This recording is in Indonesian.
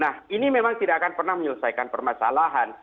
nah ini memang tidak akan pernah menyelesaikan permasalahan